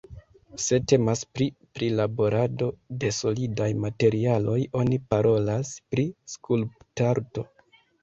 Se temas pri prilaborado de solidaj materialoj oni parolas pri skulptarto.